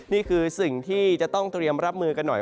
นี่คือสิ่งที่จะต้องเตรียมรับมือกันหน่อย